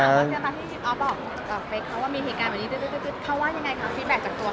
อ๋อพี่ออฟบอกบอกไปเขาว่ามีเหตุการณ์แบบนี้ด้วยด้วยด้วย